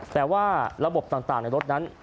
แต่ว่าระบบต่างในรถนั้น